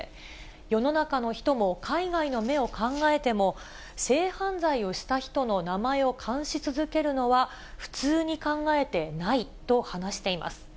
世の中の人も、海外の目を考えても、性犯罪をした人の名前を冠し続けるのは、普通に考えてないと話しています。